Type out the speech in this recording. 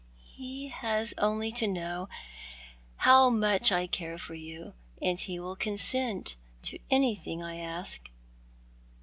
He has only to know how much I care for you, and he will consent to anything I ask."